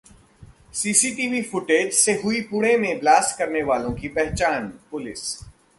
CCTV footage से हुई पुणे में ब्लास्ट करने वालों की पहचान: पुलिस